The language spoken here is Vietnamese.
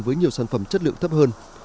với nhiều sản phẩm chất lượng thấp hơn